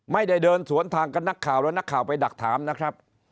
ไม่ได้เดินสวนทางกับนักข่าวและนักข่าวไปดักถามนะครับ